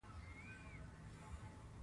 د مصنوعي هوښیارۍ کارونه په ښوونه کې هم شته.